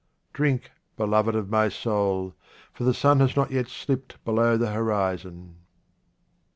Drink, beloved of my soul, for the sun has not yet slipped below the horizon.